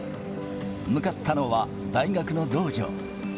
向かったのは大学の道場。